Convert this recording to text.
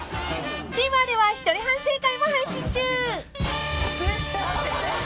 ［ＴＶｅｒでは一人反省会も配信中］